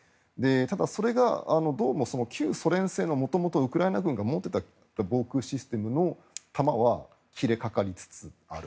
ただ、それがどうも旧ソ連製の元々ウクライナ側が持っていた防空システムの弾は切れかかりつつある。